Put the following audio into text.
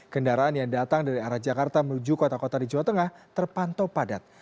kendaraan yang datang dari arah jakarta menuju kota kota di jawa tengah terpantau padat